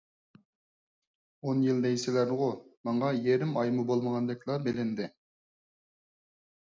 ئون يىل دەيسىلەرغۇ، ماڭا يېرىم ئايمۇ بولمىغاندەكلا بىلىندى.